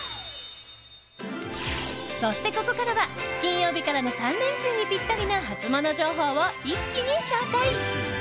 そして、ここからは金曜日からの３連休にピッタリなハツモノ情報を一気に紹介。